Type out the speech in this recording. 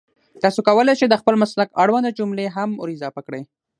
تاسو کولای شئ د خپل مسلک اړونده جملې هم ور اضافه کړئ